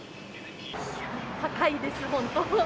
高いです、本当。